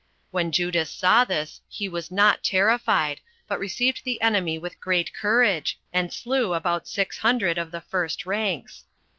When Judas saw this, he was not terrified, but received the enemy with great courage, and slew about six hundred of the first ranks.